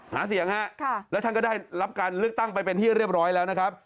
หาเสียงฮะแล้วท่านก็ได้รับการเลือกตั้งไปเป็นที่เรียบร้อยแล้วนะครับ